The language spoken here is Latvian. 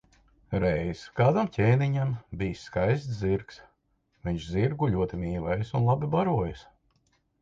Reiz kādam ķēniņam bijis skaists zirgs, viņš zirgu ļoti mīlējis un labi barojis.